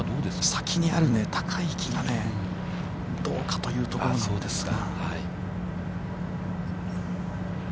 ◆先にある高い木がどうかというところなんですが。